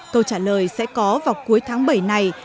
câu trả lời sẽ có vào cuối tháng bảy này